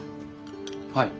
はい。